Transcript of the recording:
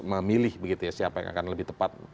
memilih begitu ya siapa yang akan lebih tepat